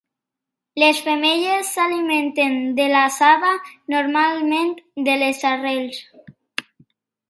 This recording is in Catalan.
Les femelles s'alimenten de la saba, normalment de les arrels.